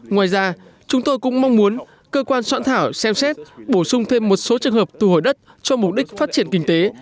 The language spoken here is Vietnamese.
ngoài ra chúng tôi cũng mong muốn cơ quan soạn thảo xem xét bổ sung thêm một số trường hợp thu hồi đất cho mục đích phát triển kinh tế